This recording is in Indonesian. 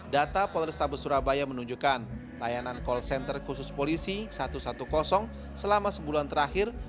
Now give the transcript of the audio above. data polrestabes surabaya menunjukkan layanan call center khusus polisi satu ratus sepuluh selama sebulan terakhir